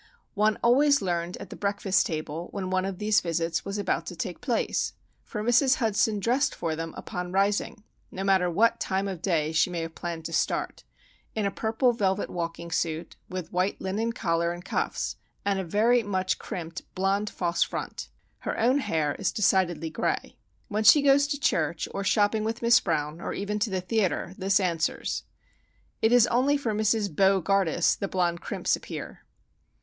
One always learned at the breakfast table when one of these visits was about to take place, for Mrs. Hudson dressed for them upon rising, no matter what time of day she may have planned to start, in a purple velvet walking suit, with white linen collar and cuffs, and a very much crimped blond false front. Her own hair is decidedly gray. When she goes to church, or shopping with Miss Brown, or even to the theatre, this answers. It is only for Mrs. Bo gardus the blond crimps appear.